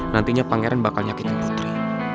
nantinya pangeran bakal nyakitin putri